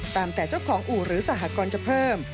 แต่เจ้าของอู่หรือสหกรณ์จะเพิ่ม